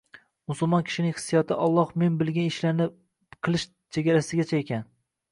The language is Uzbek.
Musulmon kishining hissiyoti Alloh man qilgan ishlarni qilish chegarasigacha ekan